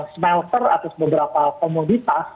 smelter atas beberapa komoditas